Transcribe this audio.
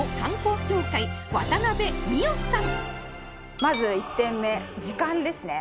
まず１点目時間ですね